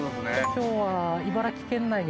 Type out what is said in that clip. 今日は。